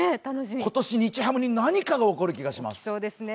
今年、日ハムに何かがある気がします。